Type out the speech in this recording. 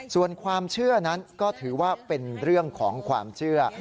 ส่วนความเชื่อนั้นก็ถือว่าเป็นเรื่องของความเชื่อ